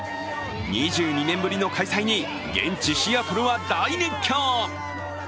２２年ぶりの開催に現地シアトルは大熱狂。